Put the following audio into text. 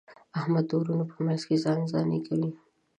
احمد د وروڼو په منځ کې ځان ځاني کوي.